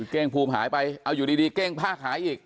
เก้งภูมิหายไปเอาอยู่ดีเก้งภาคหายอีก